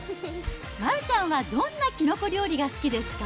丸ちゃんはどんなキノコ料理が好きですか？